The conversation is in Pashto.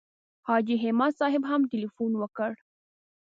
حاجي همت صاحب هم تیلفون وکړ.